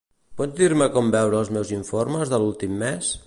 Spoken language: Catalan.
Pots dir-me com veure els meus informes de l'últim mes?